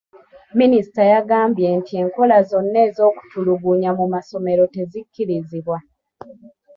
Minisita yagambye nti enkola zonna ez'okutulugunya mu masomero tezikkirizibwa.